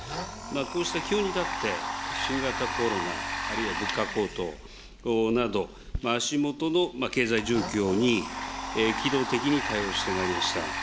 こうした苦境に立って、新型コロナあるいは物価高騰など、足下の経済状況に機動的に対応してまいりました。